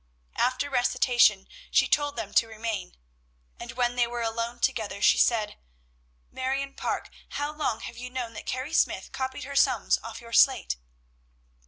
After recitation, she told them to remain, and when they were alone together she said, "Marion Parke! how long have you known that Carrie Smyth copied her sums off your slate?"